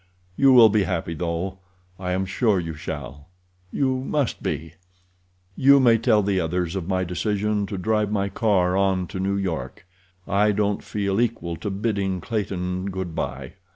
You will be happy, though; I am sure you shall—you must be. You may tell the others of my decision to drive my car on to New York—I don't feel equal to bidding Clayton good bye.